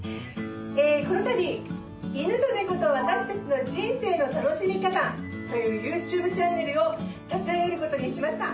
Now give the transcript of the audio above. このたび「犬と猫とわたし達の人生の楽しみ方」というＹｏｕＴｕｂｅチャンネルを立ち上げることにしました。